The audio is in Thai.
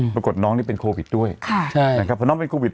ปรากฏน้องนี่เป็นโควิดด้วยนะครับเพราะน้องเป็นโควิด